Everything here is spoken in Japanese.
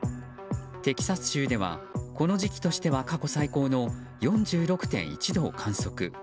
テキサス州ではこの時期としては過去最高の４６．１度を観測。